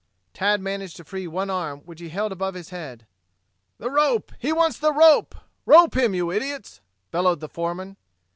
Tad managed to free one arm which he held above his head. "The rope! He wants the rope! Rope him, you idiots!" bellowed the foreman.